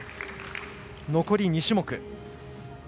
残り２種目。